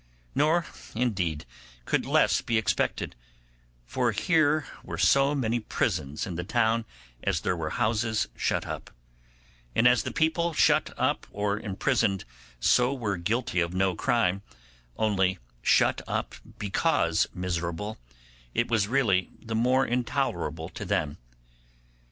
Nor, indeed, could less be expected, for here were so many prisons in the town as there were houses shut up; and as the people shut up or imprisoned so were guilty of no crime, only shut up because miserable, it was really the more intolerable to them.